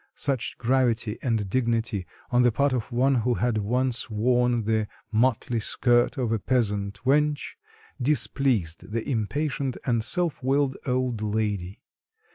Such gravity and dignity on the part of one who had once worn the motley skirt of a peasant wench displeased the impatient and self willed old lady.